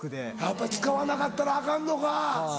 やっぱり使わなかったらアカンのか。